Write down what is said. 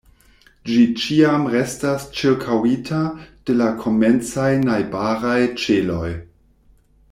Ĝi ĉiam restas ĉirkaŭita de la komencaj najbaraj ĉeloj.